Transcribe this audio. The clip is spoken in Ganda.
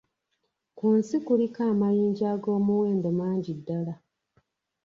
Ku nsi kuliko amayinja ag'omuwendo mangi ddala